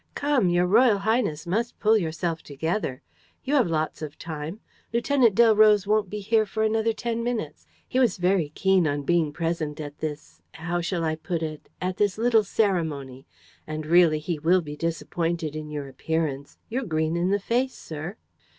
Come, your royal highness must pull yourself together. You have lots of time. Lieutenant Delroze won't be here for another ten minutes. He was very keen on being present at this how shall I put it? at this little ceremony. And really he will be disappointed in your appearance. You're green in the face, sir."